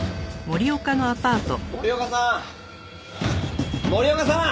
森岡さん！